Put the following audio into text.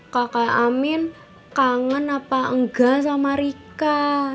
kakak amin kangen apa enggak sama rika